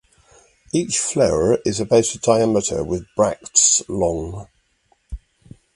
Each flower is about in diameter with bracts long.